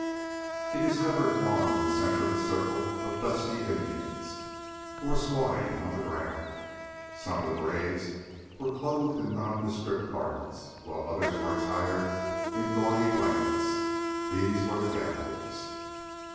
He discovered Juan in the center of a circle of dusky Indians who were squatting on the ground. Some of the braves were clothed in nondescript garments, while others were attired in gaudy blankets. These were the gamblers.